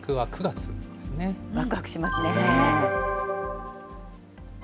わくわくしますね。